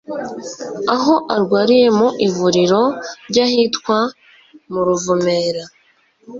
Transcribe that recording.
Aho arwariye mu ivuriro ry’ahitwa mu Ruvumera